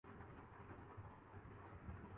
قیام کہاں کرتے ہیں؟